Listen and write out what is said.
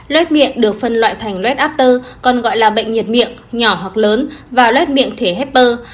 lết miệng được phân loại thành lết after còn gọi là bệnh nhiệt miệng nhỏ hoặc lớn và lết miệng thể hepper